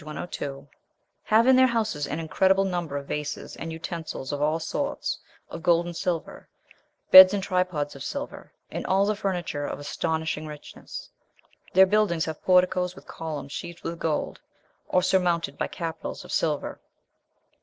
102), "have in their houses an incredible number of vases, and utensils of all sorts, of gold and silver, beds and tripods of silver, and all the furniture of astonishing richness. Their buildings have porticos with columns sheathed with gold, or surmounted by capitals of silver.